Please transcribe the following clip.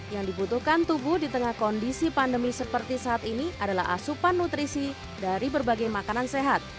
yang dibutuhkan tubuh di tengah kondisi pandemi seperti saat ini adalah asupan nutrisi dari berbagai makanan sehat